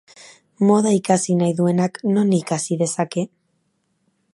Moda ikasi nahi duenak non ikasi dezake?